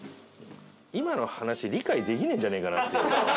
今の話理解できねえんじゃねえかなって。